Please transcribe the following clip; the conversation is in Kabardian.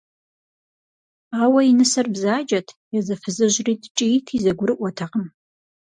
Ауэ и нысэр бзаджэт, езы фызыжьри ткӏийти зэгурыӏуэтэкъым.